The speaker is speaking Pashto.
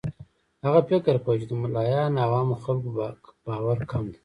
هغه فکر کاوه چې د ملایانو او عامو خلکو باور کم دی.